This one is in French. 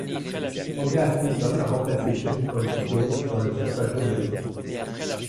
Andrea Stinson a remplacé Chamique Holdsclaw dans le cinq majeur de l’Est.